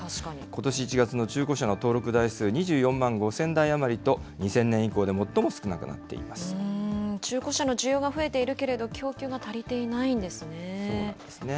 ことし１月の中古車の登録台数２４万５０００台余りと、２０００中古車の需要が増えているけれど、供給が足りていないんですね。